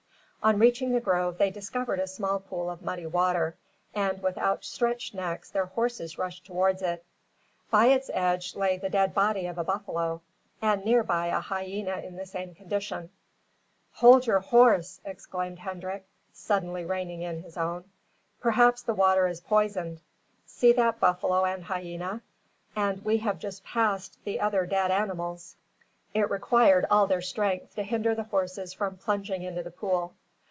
On reaching the grove, they discovered a small pool of muddy water; and with outstretched necks their horses rushed towards it. By its edge lay the dead body of a buffalo; and near by a hyena in the same condition. "Hold your horse!" exclaimed Hendrik, suddenly reining in his own. "Perhaps the water is poisoned. See that buffalo and hyena, and we have just passed the other dead animals." It required all their strength to hinder the horses from plunging into the pool.